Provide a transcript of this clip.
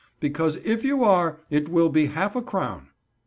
"Because if you are it will be half a crown."